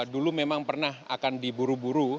dulu memang pernah akan diburu buru